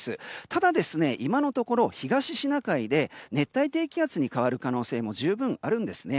ただ、今のところ東シナ海で熱帯低気圧に変わる可能性も十分あるんですね。